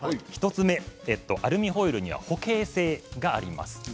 １つ目、アルミホイルには保形性があります。